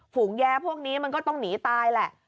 ฝูงแย้พวกนี้มันก็ต้องหนีตายแหละ